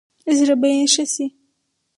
زړه به يې ښه شي.